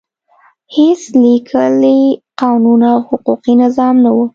هېڅ لیکلی قانون او حقوقي نظام نه و.